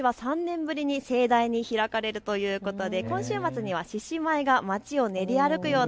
ことしは３年ぶりに盛大に開かれるということで今週末には獅子舞が街を練り歩くような